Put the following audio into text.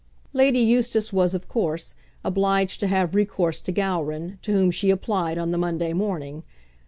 Lady Eustace was, of course, obliged to have recourse to Gowran, to whom she applied on the Monday morning.